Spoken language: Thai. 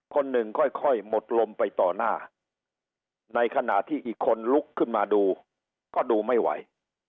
คนหนึ่งค่อยหมดลมไปต่อหน้าในขณะที่อีกคนลุกขึ้นมาดูก็ดูไม่ไหว